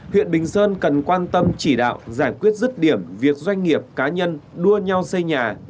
huyện bình sơn cần quan tâm chỉ đạo giải quyết rứt điểm việc doanh nghiệp cá nhân đua nhau xây nhà